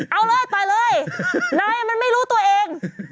เอาเลยต่อยเลยนายมันไม่รู้ตัวเอง